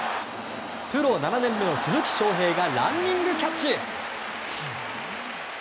プロ７年目の鈴木将平がランニングキャッチ！